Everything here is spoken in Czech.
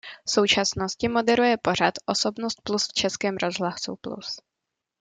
V současnosti moderuje pořad Osobnost Plus v Českém rozhlasu Plus.